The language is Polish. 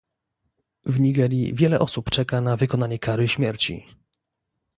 W Nigerii wiele osób czeka na wykonanie kary śmierci